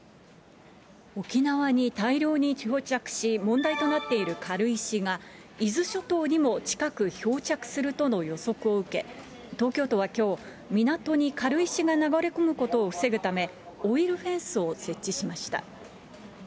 沖縄に大量に漂着し、問題となっている軽石が、伊豆諸島にも近く漂着するとの予測を受け、東京都はきょう、港に軽石が流れ込むことを防ぐため、オイルフェンスを設置しました。